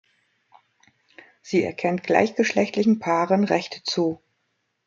Sie erkennt gleichgeschlechtlichen Paaren Rechte zu.